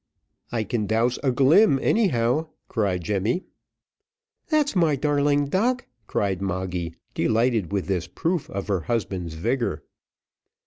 "I can douse a glim anyhow," cried Jemmy. "That's my darling duck," cried Moggy, delighted with this proof of her husband's vigour.